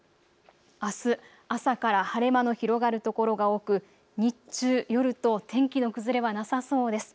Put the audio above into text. あす朝から晴れ間の広がる所が多く、日中、夜と天気の崩れはなさそうです。